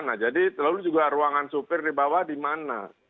nah jadi lalu juga ruangan sopir di bawah di mana